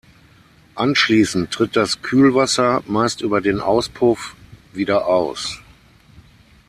Anschließend tritt das Kühlwasser, meist über den Auspuff, wieder aus.